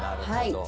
はい。